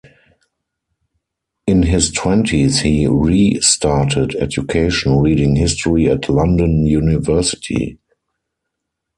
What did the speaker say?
In his Twenties he re-started education reading history at London University.